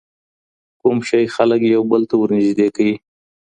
کوم شی خلګ یو بل ته ور نږدې کوي؟